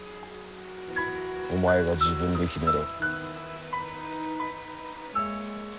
お前が自分で決めろ。